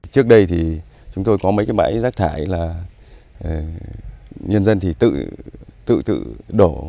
trước đây thì chúng tôi có mấy cái bãi rác thải là nhân dân thì tự tự đổ